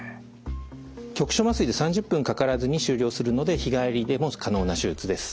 局所麻酔で３０分かからずに終了するので日帰りでも可能な手術です。